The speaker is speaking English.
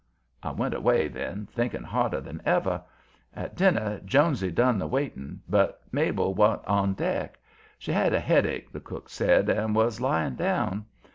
I went away then, thinking harder than ever. At dinner Jonesy done the waiting, but Mabel wa'n't on deck. She had a headache, the cook said, and was lying down.